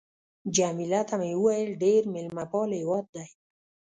جميله ته مې وویل: ډېر مېلمه پال هېواد دی.